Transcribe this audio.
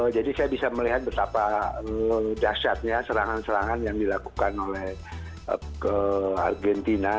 jadi saya bisa melihat betapa dasyatnya serangan serangan yang dilakukan oleh argentina